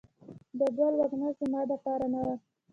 د ګل وږمه زما دپار نه وه